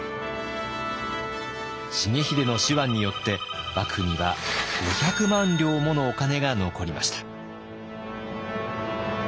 重秀の手腕によって幕府には５００万両ものお金が残りました。